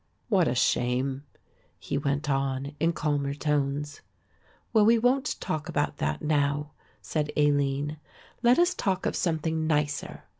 "What a shame," he went on, in calmer tones. "Well, we won't talk about that now," said Aline; "let us talk of something nicer.